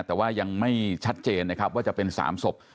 แต่ว่ายังไม่ชัดเจนนะครับว่าจะเป็น๓ศพ